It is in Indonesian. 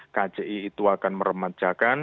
kci itu akan meremajakan